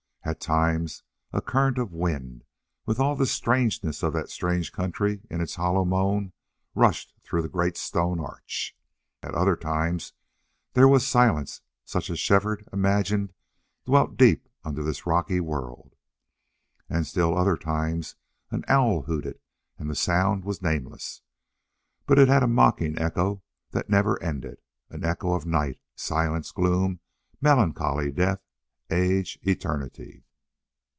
At times a current of wind, with all the strangeness of that strange country in its hollow moan, rushed through the great stone arch. At other times there was silence such as Shefford imagined dwelt deep under this rocky world. At still other times an owl hooted, and the sound was nameless. But it had a mocking echo that never ended. An echo of night, silence, gloom, melancholy death, age, eternity!